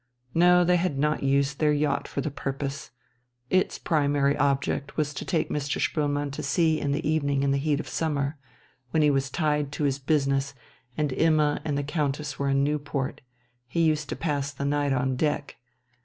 No, they had not used their yacht for the purpose. Its primary object was to take Mr. Spoelmann to sea in the evening in the heat of summer, when he was tied to his business and Imma and the Countess were in Newport; he used to pass the night on deck.